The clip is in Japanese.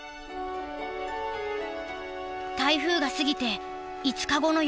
台風が過ぎて５日後の様子。